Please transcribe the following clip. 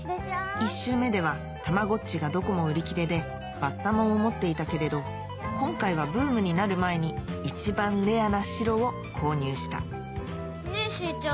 １周目ではたまごっちがどこも売り切れでバッタモンを持っていたけれど今回はブームになる前に一番レアな白を購入したねぇしーちゃん